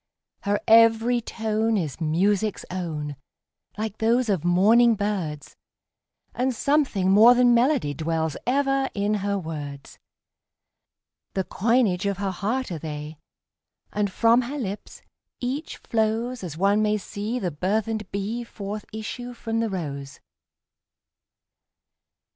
Her every tone is music's own, like those of morning birds, And something more than melody dwells ever in her words; The coinage of her heart are they, and from her lips each flowsAs one may see the burthened bee forth issue from the rose.